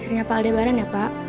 istrinya pak aldebaran ya pak